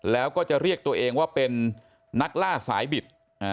แล้วก็จะเรียกตัวเองว่าเป็นนักล่าสายบิด